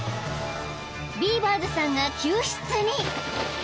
［ビーバーズさんが救出に］